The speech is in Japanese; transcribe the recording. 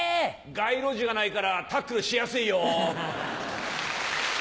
街路樹がないからタックルしやすいよ。